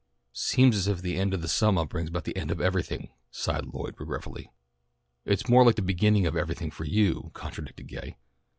"Seems as if the end of the summah brings the end of everything," sighed Lloyd regretfully. "It's more like the beginning of everything for you," contradicted Gay.